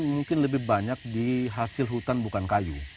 mungkin lebih banyak di hasil hutan bukan kayu